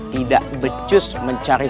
tidak becus mencari